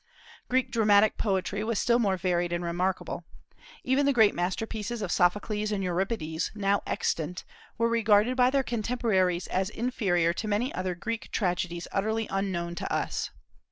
Greek dramatic poetry was still more varied and remarkable. Even the great masterpieces of Sophocles and Euripides now extant were regarded by their contemporaries as inferior to many other Greek tragedies utterly unknown to us.